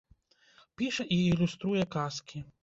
Піша і ілюструе казкі.